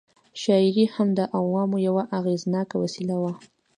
شاعري هم د عوامو یوه اغېزناکه وسله وه.